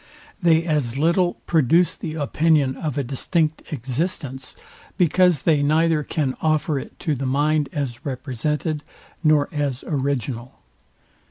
They as little produce the opinion of a distinct existence, because they neither can offer it to the mind as represented, nor as original.